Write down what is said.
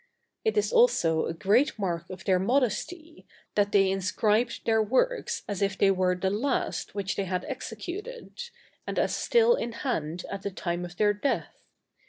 It is also a great mark of their modesty, that they inscribed their works as if they were the last which they had executed, and as still in hand at the time of their death.